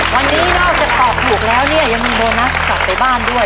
วันนี้นอกจากตอบถูกแล้วเนี่ยยังมีโบนัสกลับไปบ้านด้วย